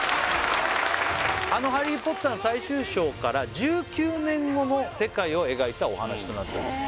あの「ハリー・ポッター」最終章から１９年後の世界を描いたお話となってます